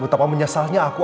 betapa menyesalnya aku